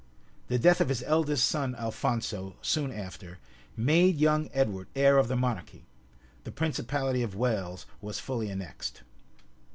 The death of his eldest son Alphonso, soon after, made young Edward heir of the monarchy; the principality of Wales was fully annexed.